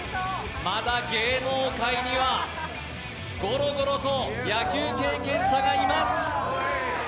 まだ芸能界にはゴロゴロと野球経験者がいます。